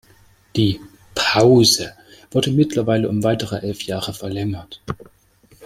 Die "Pause" wurde mittlerweile um weitere elf Jahre verlängert.